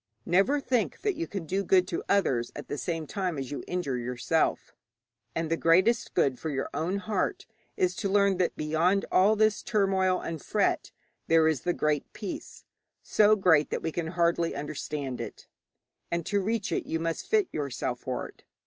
Never think that you can do good to others at the same time as you injure yourself, and the greatest good for your own heart is to learn that beyond all this turmoil and fret there is the Great Peace so great that we can hardly understand it, and to reach it you must fit yourself for it.